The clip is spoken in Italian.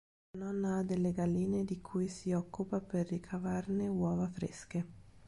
La nonna ha delle galline, di cui si occupa per ricavarne uova fresche.